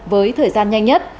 với thời gian nhanh nhất